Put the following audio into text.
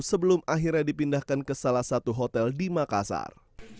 sebelum akhirnya dipindahkan ke salah satu hotel di makassar